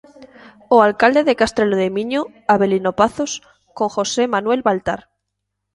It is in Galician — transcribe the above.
O alcalde de Castrelo de Miño, Avelino Pazos, con José Manuel Baltar.